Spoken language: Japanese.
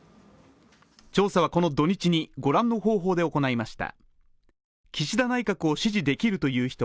調査はこの土日にご覧の方法で行いました